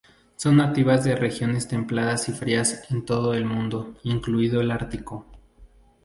Son nativas de regiones templadas y frías en todo el mundo, incluido el Ártico.